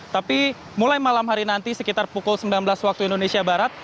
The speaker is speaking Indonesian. tapi mulai malam hari nanti sekitar pukul sembilan belas waktu indonesia barat